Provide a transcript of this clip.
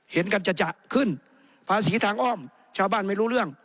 เห็นกันจะขึ้นภาษีทางอ้อมชาวบ้านไม่รู้เรื่อง